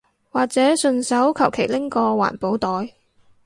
或者順手求其拎個環保袋